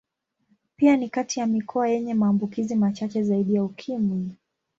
Pia ni kati ya mikoa yenye maambukizi machache zaidi ya Ukimwi.